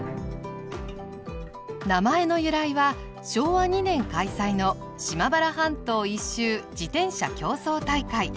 名前の由来は昭和２年開催の島原半島一周自転車競争大会。